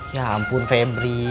ya ampun febri